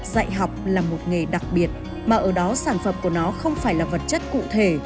dạy học là một nghề đặc biệt mà ở đó sản phẩm của nó không phải là vật chất cụ thể